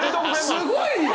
すごいよ！